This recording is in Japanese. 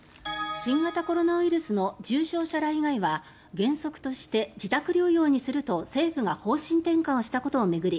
新型コロナウイルスの重症者ら以外は原則として自宅療養にすると政府が方針転換したことを巡り